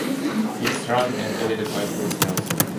It is run and edited by Chris Nelson.